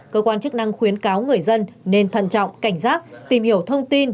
cơ quan chức năng khuyến cáo người dân nên thận trọng cảnh giác tìm hiểu thông tin